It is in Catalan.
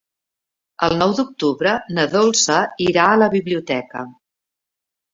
El nou d'octubre na Dolça irà a la biblioteca.